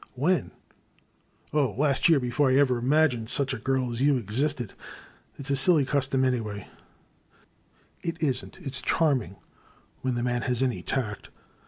When? Oh, last year, before I ever imag ined such a girl as you existed. It *s a silly cus tom, anyway "It is n*t, — ^it 's charming — ^when the man has any tact.